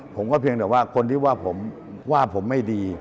ผมก็เพียงแต่ว่าคนที่ว่าผมไม่ดี